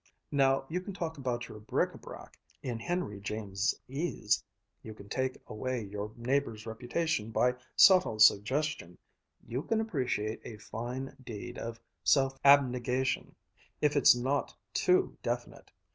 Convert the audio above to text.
Now, you can talk about your bric à brac in Henry Jamesese, you can take away your neighbor's reputation by subtle suggestion, you can appreciate a fine deed of self abnegation, if it's not too definite!